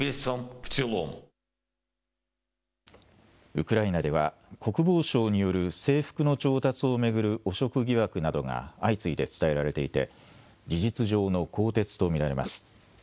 ウクライナでは、国防省による制服の調達を巡る汚職疑惑などが相次いで伝えられていて、事実上の更迭と見られます。